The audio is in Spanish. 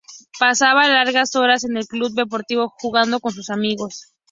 Pasaba largas horas en el Club Deportivo jugando con sus amigos.